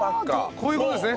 こういう事ですね。